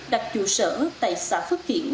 đặc trụ sở tại xã phước kiển